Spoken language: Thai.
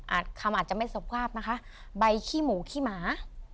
คำอาจจะไม่สุภาพนะคะใบขี้หมูขี้หมา